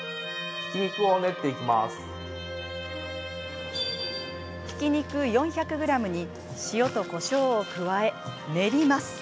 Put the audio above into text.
豚ひき肉４００ｇに塩とこしょうを加え練ります。